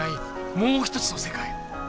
もう一つの世界。